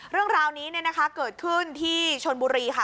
เรื่องราวนี้นะคะเกิดชื่นที่ชลบุรีค่ะ